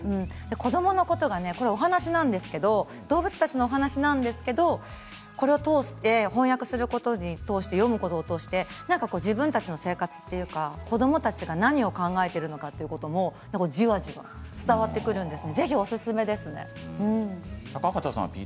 子どものことがお話なんですけど動物たちのお話なんですけどこれを通して翻訳することを通して、読むことを通して自分たちの生活というか子どもたちが何を考えているのかということもじわじわ伝わってくるんです。